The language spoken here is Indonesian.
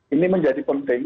ini menjadi penting